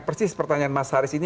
persis pertanyaan mas haris ini